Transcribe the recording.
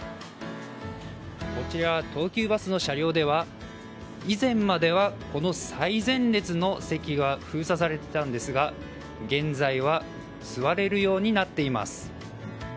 こちら、東急バスの車両では以前までは最前列の席が封鎖されていたんですが現在は座れるようになっています。